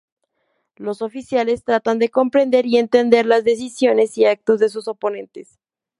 Los oficiales tratan de comprender y entender las decisiones y actos de sus oponentes.